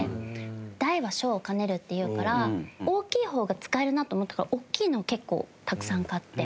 大は小を兼ねるっていうから大きい方が使えるなと思ったからおっきいのを結構たくさん買って。